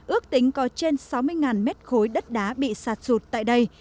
ước tính có trên sáu mươi mét khối đất đá bị sạt sụt tại đây